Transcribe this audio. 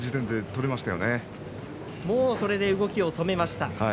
もうそれで動きを止めました。